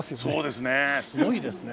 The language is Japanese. すごいですね。